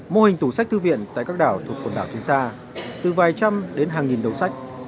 mô hình tủ sách thư viện tại các đảo thuộc quần đảo trên xa từ vài trăm đến hàng nghìn đồng sách